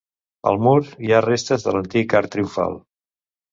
Al mur hi ha restes de l'antic arc triomfal.